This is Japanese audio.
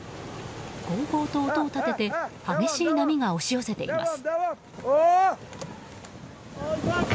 ごうごうと音を立てて激しい波が押し寄せています。